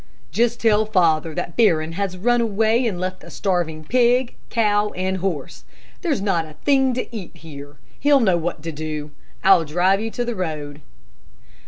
"Just tell father that Barron has run away and left a starving pig, cow, and horse. There's not a thing to eat here. He'll know what to do. I'll drive you to the road."